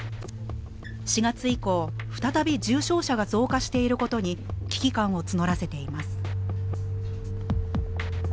４月以降再び重症者が増加していることに危機感を募らせています。